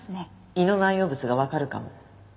胃の内容物がわかるかも。